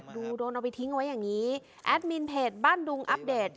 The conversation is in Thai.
โดนเอาไปทิ้งไว้อย่างนี้แอดมินเพจบ้านดุงอัปเดต